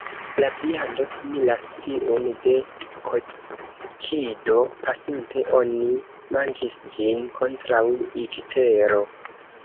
La viando similas tiun de kokido; pasinte oni manĝis ĝin kontraŭ iktero.